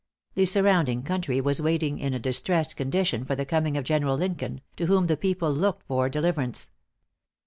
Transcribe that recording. The surrounding country was waiting in a distressed condition for the coming of General Lincoln, to whom the people looked for deliverance.